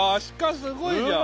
すごいじゃん。